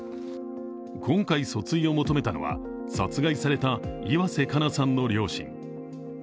今回、訴追を求めたのは殺害された岩瀬加奈さんの両親。